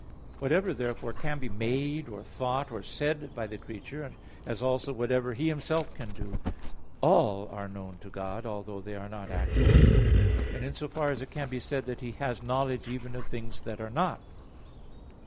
Whatever therefore can be made, or thought, or said by the creature, as also whatever He Himself can do, all are known to God, although they are not actual. And in so far it can be said that He has knowledge even of things that are not.